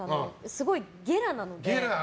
すごいゲラなので。